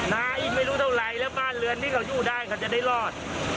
อีกไม่รู้เท่าไหร่แล้วบ้านเรือนที่เขาอยู่ได้เขาจะได้รอด